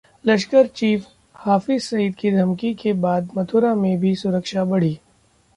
लश्कर chief Hafiz Saeed की धमकी के बाद मथुरा में भी सुरक्षा बढ़ी